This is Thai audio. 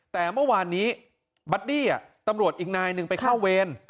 แต่เมื่อวานนี้บัดดี้ตำรวจอีกนายหนึ่งไปเข้าเวร